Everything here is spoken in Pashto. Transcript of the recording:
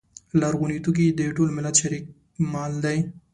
لرغوني توکي د ټول ملت شریک مال دی.